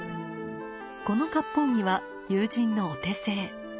この割烹着は友人のお手製。